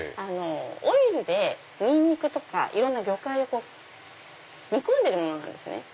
オイルでニンニクとか魚介を煮込んでるものなんですね。